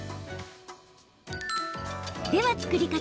では、作り方。